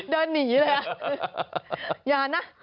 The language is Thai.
เดินหนีเลยนะอย่านะ